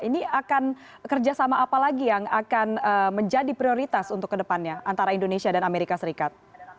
ini akan kerjasama apa lagi yang akan menjadi prioritas untuk kedepannya antara indonesia dan amerika serikat